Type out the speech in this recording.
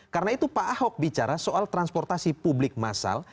karena itu pak ahok bicara soal transportasi publik massal